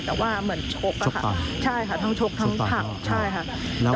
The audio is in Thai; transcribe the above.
แต่ว่าเหมือนชกอะค่ะใช่ค่ะทั้งชกทั้งผลักใช่ค่ะ